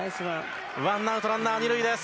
ワンアウトランナー２塁です。